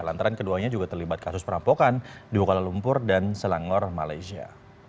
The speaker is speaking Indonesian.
lantaran keduanya juga terlibat kasus perampokan di kuala lumpur dan selangor malaysia